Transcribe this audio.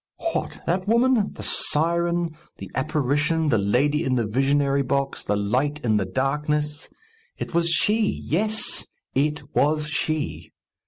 What! that woman! The siren, the apparition, the lady in the visionary box, the light in the darkness! It was she! Yes; it was she!